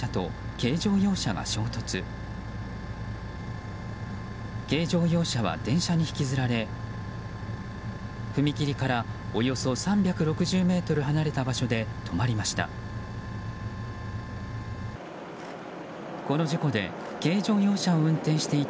軽乗用車は電車に引きずられ踏切からおよそ３６０ｍ離れた場所で止まりました。